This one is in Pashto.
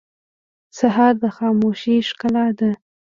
سهار د خاموشۍ ښکلا ده.